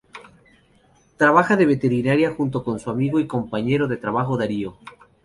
Trabaja de veterinaria junto con su amigo y compañero de trabajo Darío.